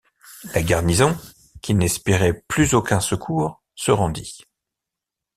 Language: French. La garnison, qui n’espérait plus aucun secours, se rendit.